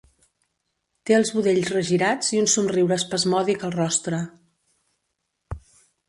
Té els budells regirats i un somriure espasmòdic al rostre.